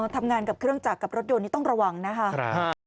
ทำงานกับเครื่องจักรกับรถยนต์นี้ต้องระวังนะคะ